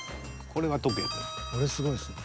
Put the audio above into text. ［これすごいっすね］